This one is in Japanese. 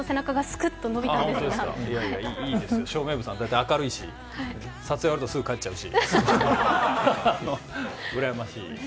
大体明るいし撮影終わると、すぐ帰っちゃうし、うらやましい。